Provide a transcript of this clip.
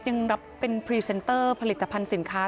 ยังรับเป็นพรีเซนเตอร์ผลิตภัณฑ์สินค้า